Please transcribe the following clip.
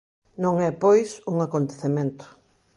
Non é, pois, un acontecemento.